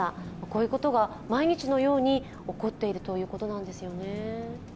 こういうことが毎日のように起こっているということなんですよね。